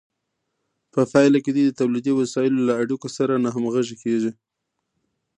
په پایله کې دوی د تولیدي وسایلو له اړیکو سره ناهمغږې کیږي.